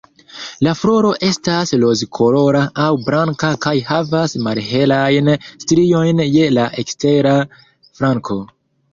La floro estas rozkolora aŭ blanka kaj havas malhelajn striojn je la ekstera flanko.